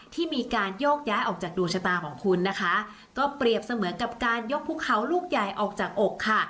ที่มีการโยกย้ายออกจากดวงชะตาของคุณนะคะก็เปรียบเสมือนกับการยกภูเขาลูกใหญ่ออกจากอกค่ะ